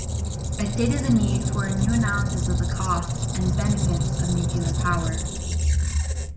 I stated the need for a new analysis of the costs and benefits of nuclear power.